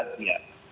kursus asli ya